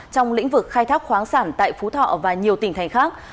trong lĩnh vực khai thác khoáng sản tại phú thọ và nhiều tỉnh thành khác